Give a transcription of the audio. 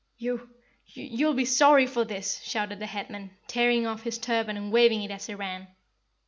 "You you YOU'LL be sorry for this!" shouted the Headman, tearing off his turban and waving it as he ran.